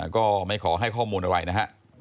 ก็ไม่ขอให้ข้อมูลอะไรนะฮะ